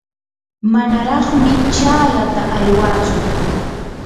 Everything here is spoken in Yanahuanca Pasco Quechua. manaraqmi chaalata aywatsu.